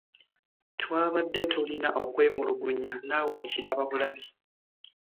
Twabadde tulina okwemulugunya naawe okiraba bulabi.